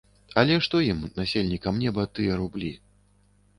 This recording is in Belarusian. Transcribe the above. Але што ім, насельнікам неба, тыя рублі.